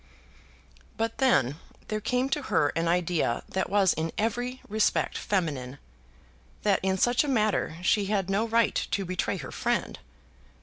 But then there came to her an idea that was in every respect feminine, that in such a matter she had no right to betray her friend.